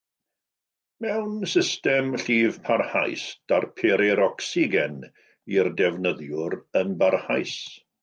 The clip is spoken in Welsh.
Mewn "system llif parhaus", darperir ocsigen i'r defnyddiwr yn barhaus.